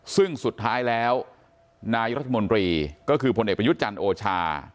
ซึ่งสุดท้ายแล้วนายรัฐมนตรีก็คือพลเอกประยุทธ์จันทร์โอชา